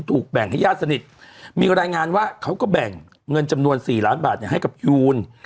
ถูกแบ่งให้ญาติสนิทมีรายงานว่าเขาก็แบ่งเงินจำนวน๔ล้านบาทให้กับยูน